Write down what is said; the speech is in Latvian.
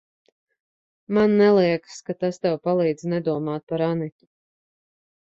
Man neliekas, ka tas tev palīdz nedomāt par Anitu.